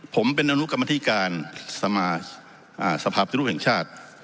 ผมเป็นอนุกรรมธิการสมาสภาพปฏิรูปแห่งชาติ